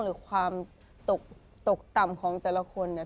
หรือความตกต่ำของแต่ละคนเนี่ย